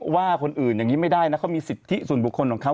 ว่าคนอื่นอย่างนี้ไม่ได้นะเขามีสิทธิส่วนบุคคลของเขา